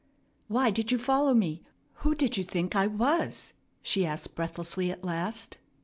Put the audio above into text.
"Why did you follow me? Who did you think I was?" she asked breathlessly at last.